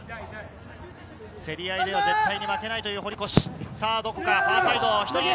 競り合いでは絶対に負けないという堀越。